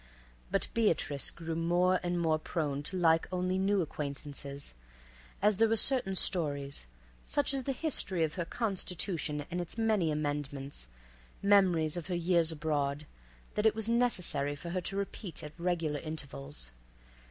But Beatrice grew more and more prone to like only new acquaintances, as there were certain stories, such as the history of her constitution and its many amendments, memories of her years abroad, that it was necessary for her to repeat at regular intervals.